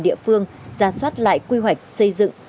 địa phương ra soát lại quy hoạch xây dựng